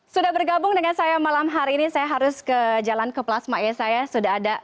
sudah bergabung dengan saya malam hari ini saya harus ke jalan ke plasma ya saya sudah ada